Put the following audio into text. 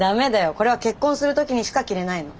これは結婚する時にしか着れないの。